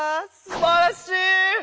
すばらしい！